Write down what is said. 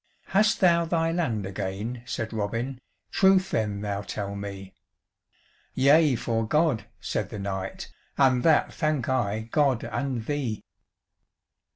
"Hast thou thy land again?" said Robin, "Truth then thou tell me." "Yea, for God," said the knight, "And that thank I God and thee."